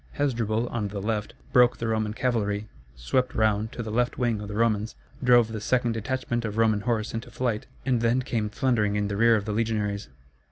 Hasdrubal, on the left, broke the Roman cavalry, swept round to the left wing of the Romans, drove the second detachment of Roman horse into flight, and then came thundering in the rear of the legionaries.